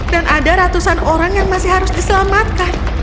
dan ada ratusan orang yang masih harus diselamatkan